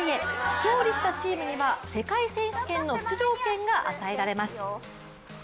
勝利したチームには、世界選手権の出場権が与えられます。